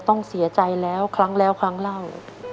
สองผู้เท่านี้ต้องซีอาใจครั้งแล้วครั้งแล้ว